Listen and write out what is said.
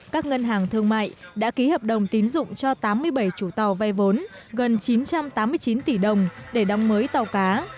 các ngân hàng thương mại đã ký hợp đồng tín dụng cho tám mươi bảy chủ tàu vay vốn gần chín trăm tám mươi chín tỷ đồng để đóng mới tàu cá